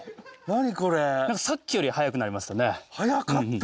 何かさっきより速くなりましたね速かった！